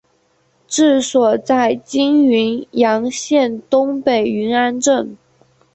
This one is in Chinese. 治所在今云阳县东北云安镇。